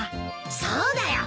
そうだよ。